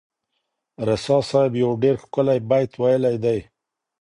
رسا صاحب یو ډېر ښکلی بیت ویلی دی.